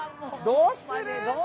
どうする？